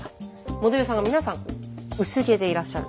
モデルさんが皆さん薄毛でいらっしゃる。